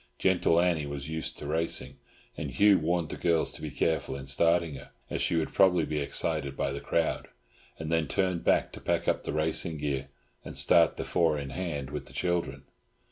"Gentle Annie" was used to racing, and Hugh warned the girls to be careful in starting her, as she would probably be excited by the crowd, and then turned back to pack up the racing gear and start the four in hand with the children.